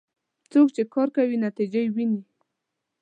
څوک چې کار کوي، نتیجه یې ويني.